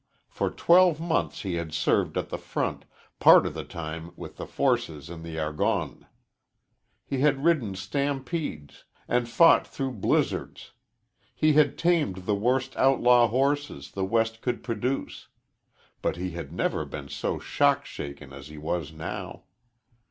For twelve months he had served at the front, part of the time with the forces in the Argonne. He had ridden stampedes and fought through blizzards. He had tamed the worst outlaw horses the West could produce. But he had never been so shock shaken as he was now.